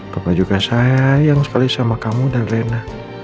papa juga sayang sekali sama kamu dan reina